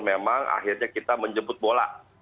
memang akhirnya kita menjemput bola